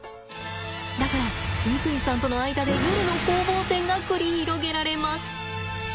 だから飼育員さんとの間で夜の攻防戦が繰り広げられます。